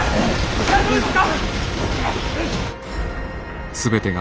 大丈夫ですか！